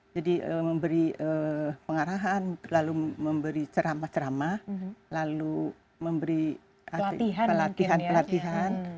jadi memberi pengarahan lalu memberi ceramah ceramah lalu memberi pelatihan pelatihan